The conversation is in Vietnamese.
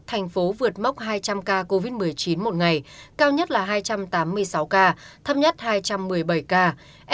thành phố vượt mốc hai trăm linh ca covid một mươi chín một ngày cao nhất là hai trăm tám mươi sáu ca thấp nhất hai trăm một mươi bảy ca